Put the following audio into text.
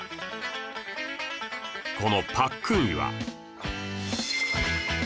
このパックン岩